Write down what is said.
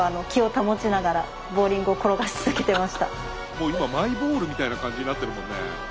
もう今マイボールみたいな感じになってるもんね。